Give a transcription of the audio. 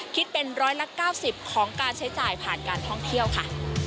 คิดเป็นร้อยละ๙๐ของการใช้จ่ายผ่านการท่องเที่ยวค่ะ